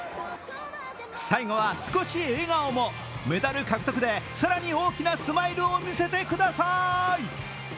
最後は少し笑顔も、メダル獲得で更に大きなスマイルを見せてください。